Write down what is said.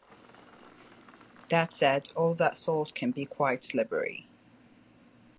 That said, all that salt can be quite slippery.